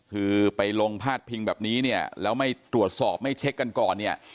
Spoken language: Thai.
คือไปลงพาดพิงแบบนี้เนี่ยแล้วไม่ตรวจสอบไม่เช็คกันก่อนเนี่ย